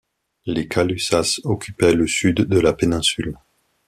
Les Calusas occupaient le sud de la péninsule.